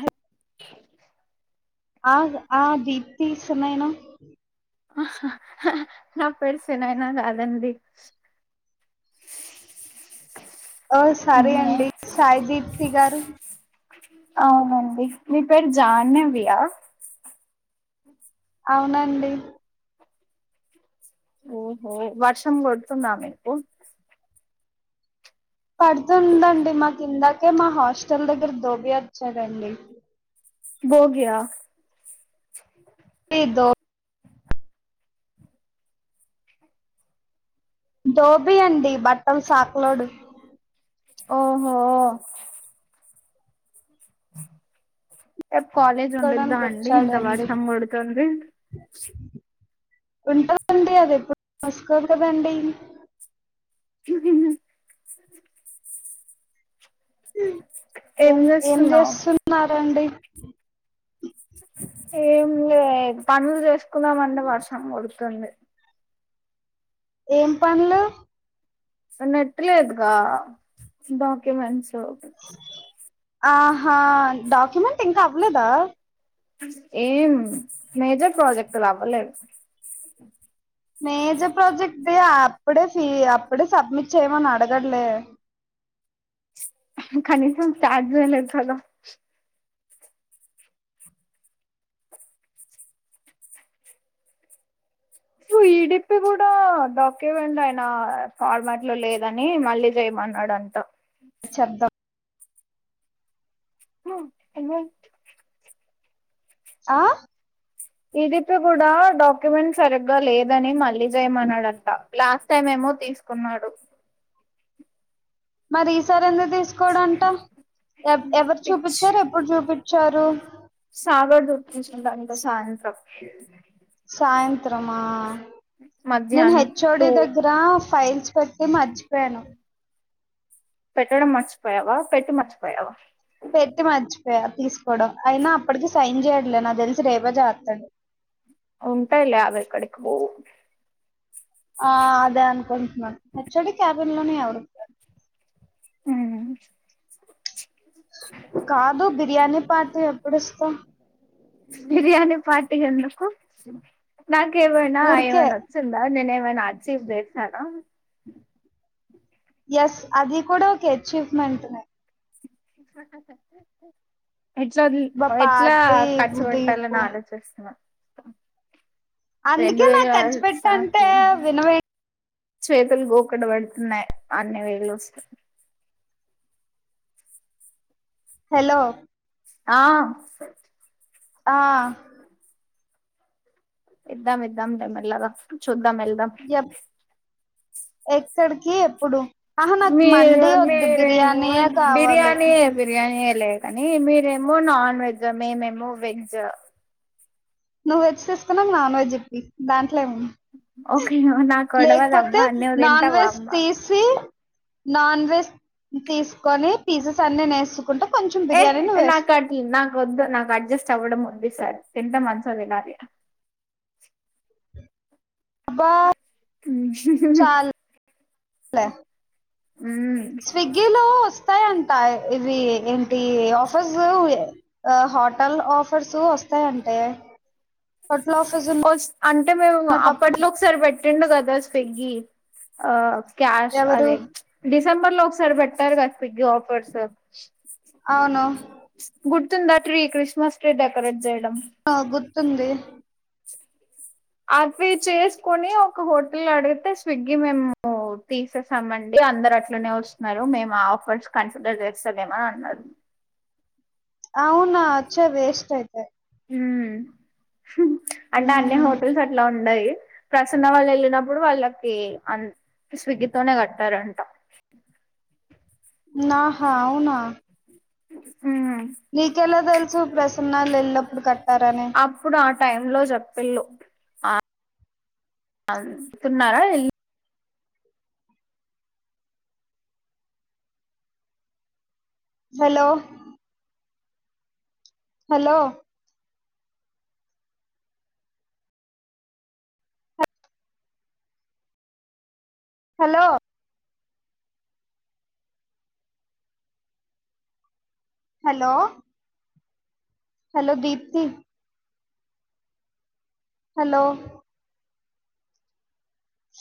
High ఆ ఆ దీప్తి సునయన నా పేరు సునయన కాదండి ఆ సరే అండి సాయది ప్తి గారు అవును మీ పేరు జాహ్నవి యా అవునండి ఓహో వర్షం కొడుతుందా మీకు పడుతుందండి మా కిందాకే మా హాస్టల్ దగ్గర దోబీ వచ్చాడండి బోగ్య [unintelligible] దోబి అండి బట్టలు సాక్లోడు ఆహా ఆ రేప్ కాలేజ్ ఉంటుందా తీసుకోవడానికి అండి ఇంత వచ్చాడండి వర్షం పడుతుంది ఉంటందండి అది ఎప్పుడు మూసుకోదు కదండి ఏం ఏం చేస్తున్నారండి ఏం లే పనులు చేసు కుందమంటె వర్షం కొడుతుంది ఏం పనులు నెట్ లేదుగా డాక్యుమెంట్స్ ఆ ఆ డాక్యుమెంట్ ఇం ఇంకా అవలేదా ఏం మేజర్ ప్రోజెక్ట్ లు అవలేదు మేజర్ ప్రాజెక్ట్ ది అప్పుడే ఫీ అప్పుడే సబ్మిట్ చేయమని అడగట్లే కనిసం [unintelligible] సో ఈడపి కూడా డాక్యుమెంట్ అయినా ఫార్మాట్ లో లేదని మళ్ళీ చేయమన్నాడు అంట శబ్దం మ్ అయ్యొ ఆ ఇది పి కూడా డాక్యుమెంట్ సరిగ్గా లేదని మళ్ళీ చేయమన్నాడంట లాస్ట్ టైమ్ ఏమో తీసుకున్నాడు మరి ఈసారెంద తీసుకోడంట ఎవరు పిచ్ చూప్పిచ్చారు ఎప్పుడు చూప్పిచ్చారు సాగర్ చూపించిండంట [unintelligible] సాయంత్రమా నేను మధ్యాహ్నం హెచ్. ఒ. టూ డి దగ్గరా ఫైల్స్ పెట్టి మర్చిపోయాను పెట్టడం మర్చిపోయావా పెట్టి మర్చిపోయావా పెట్టి మర్చిపోయా తీసుకోవడం అయినా అప్పటికి సైన్ చేయట్లే నా తెలిసి రేపే చేస్తాడు ఉంటాయి లే అవి ఎక్కడికి పోవు ఆ అదే అనుకుంటున్నాను హెచ్ఓడి క్యాబిన్ లోనే ఎవరు ఆ కాదు బిర్యానీ పాార్టీ ఎప్పుడు ఇస్తావు బిర్యానిి పార్టీ ఎందుకు నాకేమైనా ఊరికే ఏమైనా వచ్చిందా నేనే మ నాట్ సి వేస్తాను ఎస్ అది కూడా ఓకే అచీవ్మెంట్ ని ఎట్లా బా ఎట్లా పార్టీ ఖర్చు ఉదయపు పెట్టాలని ఆలోచిస్తున్నాం అందుకే నాకు ఖర్చు పెట్ట అంటే నాకు వినవే చేతులు గోకడు వెంటనే అన్ని వేళ్ళు వస్తే హలో ఆ ఆ ఎద్దం ఎద్దం ట మల్లాగా చద్దాం వెల్దాం ఎప్ ఎక్కడికి ఎప్పుడు ఆహా నాకు మీ మండి వద్దు మీరేమొ బిర్యానీయే కావాలి బిర్యానీ బిరియానీ ఏ లే కానీ మీరేమో నాన్ వెజ్ మేమేమో వెజ్ నువ్వు వెజ్ తీసుకున్నా నాన్ వెజ్ ఇప్పి దానికి ఓకే నాకు లేకపోతే గొడవదమ్మా నువ్వు నాన్ తింటావా వెజ్ అమ్మా తీసి నాన్ వెజ్ తీసుకొని పీజెస్ అన్ని నేసు ఏ నాకటి నాకు వద్దు నాకు అడ్జస్ట్ చవ్వడం ఉంది సార్ తింటే మంచిగా తినలే అబా చాలా మ్మ్ స్విగ్గీ లో వస్తాయంట ఇవి ఏంటి ఆఫర్స్ హోటల్ ఆఫర్స్ వస్తాయంటే హోటల్ ఆఫర్స్ అంటే మేము ఉన్నటప్పుడు అప్పట్లో ఒకసారి పెట్టిండు కదా స్విగ్గీ ఆ క్యాష్ ఎవరు అదే స్ డిసెంబర్ లో ఒకసారి పెట్టారు కదా స్విగ్గీ ఆఫర్స్ అవును. గుర్తుందా ట్రీ క్రిస్మస్ ట్రీడకొరేట్ ఆ గుర్తుంద అది చేసుకుని ఒక హోటల్ అడిగితే స్విగ్గీ మేము తీసేసామండి అందరు అట్లనే వస్తున్నారు మేము ఆ ఆఫర్స్ కన్సిడర్ చేస్తదేమని అన్నారు అవునా వచ్చే వేస్ట్ అయితే ఉమ్ అంటే అన్ని హ్మ్. హోటల్స్ అట్ల ఉన్నాయి ప్రసన్నం వాళ్ళు వెళ్ళినప్పుడు వాళ్ళకి అన్ స్విగ్గితోనే కట్టారంట నాహ అవున ఉమ్ మీకెల తెలుసు ప్రసన్న వాల్లు వెల్లప్పుడు కట్ట అప్పుడు అట్ టైమ్ లో చెప్పెళ్ళు అందుతున్నారా వె hello hello hello hello hello Deepti hello హచ్